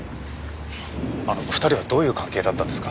２人はどういう関係だったんですか？